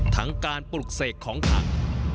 ทั้งการปลุกเสกของขัง